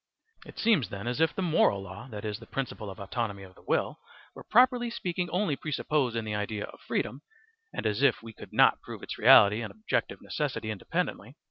It seems then as if the moral law, that is, the principle of autonomy of the will, were properly speaking only presupposed in the idea of freedom, and as if we could not prove its reality and objective necessity independently.